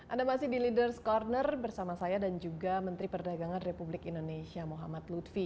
anda masih di ⁇ leaders ⁇ corner bersama saya dan juga menteri perdagangan republik indonesia muhammad lutfi